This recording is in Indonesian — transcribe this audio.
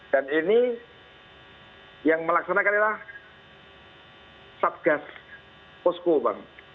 dan ini yang melaksanakan adalah subgas posko bang